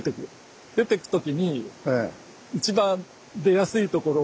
出てくときに一番出やすいところを。